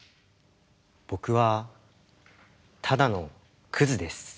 僕はただのクズです。